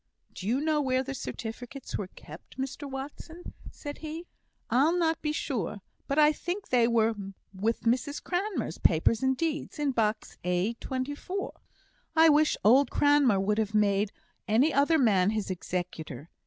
"Do you know where the certificates were kept, Mr Watson?" said he. "I'll not be sure, but I think they were with Mrs Cranmer's papers and deeds in box A, 24." "I wish old Cranmer would have made any other man his executor.